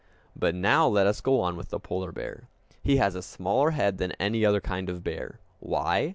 But now let us go on with the polar bear. He has a smaller head than any other kind of bear. Why?